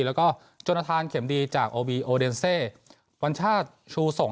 แล้วก็จนทานเข็มดีจากโอบีโอเดนเซวัญชาติชูศก